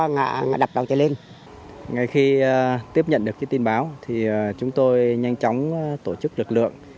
ngày khi tiếp nhận được tin báo thì chúng tôi nhanh chóng tổ chức lực lượng